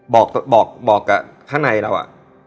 บอกกับข้างในเราอะ